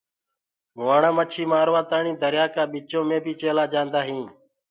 مُهآڻآ مڇي مآروآتآڻي دريآ ڪآ وچو مينٚ بي چيلآ جآندآ هينٚ۔